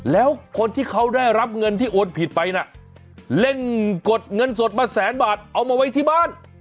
แล้วคนที่เขาได้รับเงินที่โอนผิดไปน่ะเล่นกดเงินสดมาแสนบาทเอามาไว้ที่บ้าน